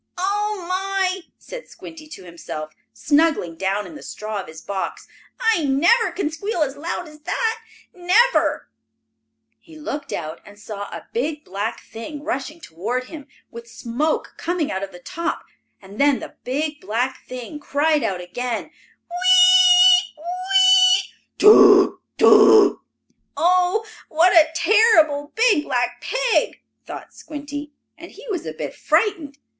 "Oh my!" said Squinty to himself, snuggling down in the straw of his box. "I never can squeal as loud as that. Never!" He looked out and saw a big black thing rushing toward him, with smoke coming out of the top, and then the big black thing cried out again: "Whee! Whee! Toot! Toot!" "Oh, what a terrible, big black pig!" thought Squinty. And he was a bit frightened.